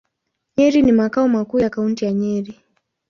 Nyeri ni makao makuu ya Kaunti ya Nyeri.